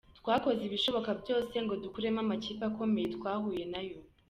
Twakoze ibishoboka byose ngo dukuremo amakipe akomeye twahuye nayo.